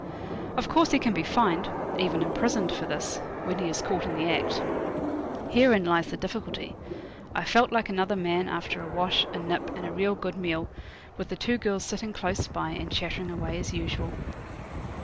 Of course he can be fined even imprisoned for this when he is caught in the act. Herein lies the difficulty. I felt like another man after a wash, a nip, and a real good meal, with the two girls sitting close by, and chattering away as usual.